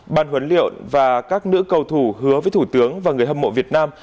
ban huấn luyện và các nữ cầu thủ hứa với thủ tướng và người hâm mộ việt nam